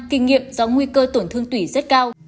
kinh nghiệm do nguy cơ tổn thương tủy rất cao